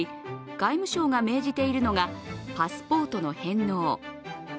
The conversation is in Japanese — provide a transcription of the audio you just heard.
外務省が命じているのがパスポートの返納。